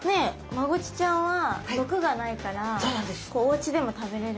マゴチちゃんは毒がないからおうちでも食べれるし。